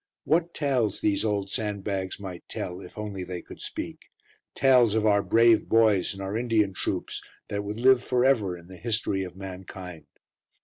What tales these old sandbags might tell if only they could speak, tales of our brave boys and our Indian troops that would live for ever in the history of mankind.